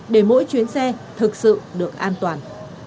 để mỗi chuyến xe thực sự được an toàn